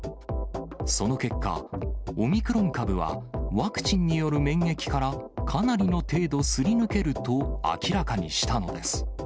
その結果、オミクロン株は、ワクチンによる免疫から、かなりの程度すり抜けると明らかにしたのです。